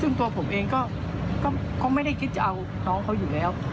ซึ่งตัวผมเองก็ไม่ได้คิดจะเอาน้องเขาอยู่แล้ว